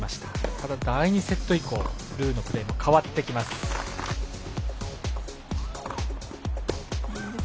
ただ、第２セット以降ルーのプレーも変わってきます。